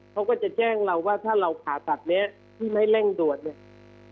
เขาก็จะแจ้งเราว่าถ้าเราผ่าตัดเนี้ยที่ไม่เร่งด่วนเนี่ย